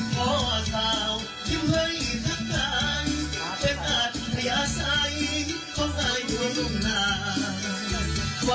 เป็นอาทิตยาทรายเข้าใส่มือดุงนาน